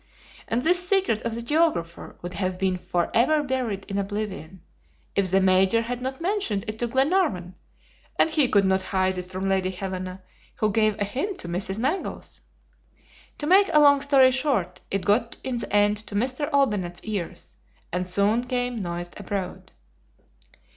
And this secret of the geographer would have been forever buried in oblivion, if the Major had not mentioned it to Glenarvan, and he could not hide it from Lady Helena, who gave a hint to Mrs. Mangles. To make a long story short, it got in the end to M. Olbinett's ears, and soon became noised abroad.